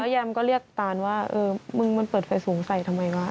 แยมก็เรียกตานว่าเออมึงมันเปิดไฟสูงใส่ทำไมวะ